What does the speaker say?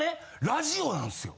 ラジオなんですよ。